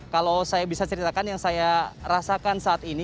kalau saya bisa ceritakan yang saya rasakan saat ini